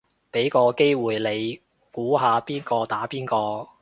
俾個機會你估下邊個打邊個